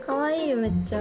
めっちゃ。